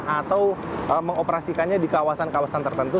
atau mengoperasikannya di kawasan kawasan tertentu